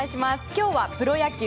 今日はプロ野球